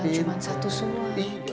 jangan cuma satu suara